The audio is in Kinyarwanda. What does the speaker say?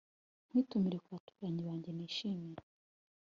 nkwitumire ku baturanyi banjye nishimira